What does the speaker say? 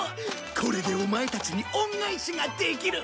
これでオマエたちに恩返しができる。